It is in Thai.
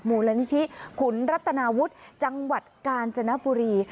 คืออาสาสมัครมูลนิธิขุนรัตนาวุฒิจังหวัดกาญจนปุรี